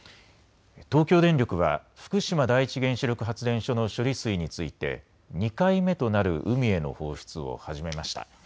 東京電力は福島第一原子力発電所の処理水について２回目となる海への放出を始めました。